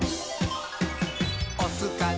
「おすかな？